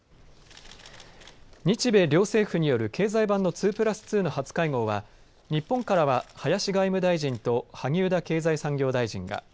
日米両政府による経済版の２プラス２の初会合は日本からは林外務大臣と萩生田経済産業大臣が。